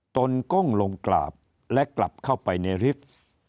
นก้มลงกราบและกลับเข้าไปในลิฟท์